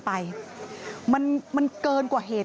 ปี๖๕วันเช่นเดียวกัน